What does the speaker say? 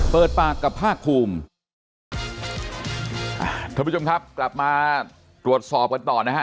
เปิดปากกับภาคภูมิอ่าท่านผู้ชมครับกลับมาตรวจสอบกันต่อนะฮะ